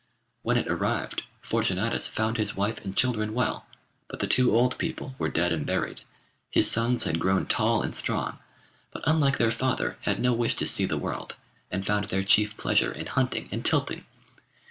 When it arrived, Fortunatus found his wife and children well, but the two old people were dead and buried. His sons had grown tall and strong, but unlike their father had no wish to see the world, and found their chief pleasure in hunting and tilting.